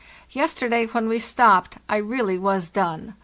Yesterday, when we stopped, I really was done.